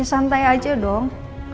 ya santai aja dong